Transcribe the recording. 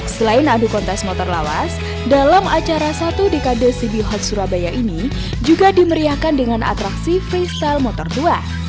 selain adu kontes motor lawas dalam acara satu dekade cb hot surabaya ini juga dimeriahkan dengan atraksi freestyle motor tua